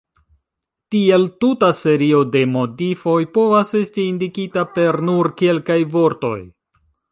Tiel tuta serio da modifoj povas esti indikita per nur kelkaj vortoj.